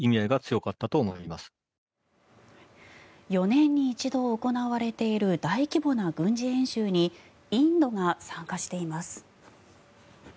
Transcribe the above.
４年に一度行われている大規模な軍事演習にインドが参加しています。